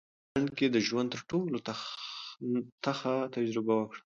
مرغۍ د اوبو په ډنډ کې د ژوند تر ټولو تخه تجربه وکړه.